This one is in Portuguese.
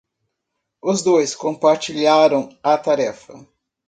Os dois compartilharam a tarefa.